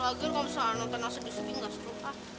lagian kalau kamu salah nonton masa disini gak seru